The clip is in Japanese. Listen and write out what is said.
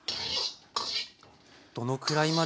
どのくらいまで？